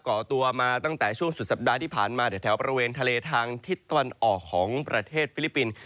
ก่อตัวมาตั้งแต่ช่วงสุดสัปดาห์ที่ผ่านมาแถวบริเวณทะเลทางทิศตะวันออกของประเทศฟิลิปปินส์